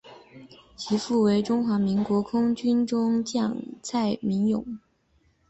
其父为中华民国空军中将蔡名永。